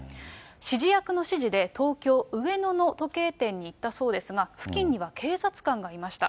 指示役の指示で、東京・上野の時計店に行ったそうですが、付近には警察官がいました。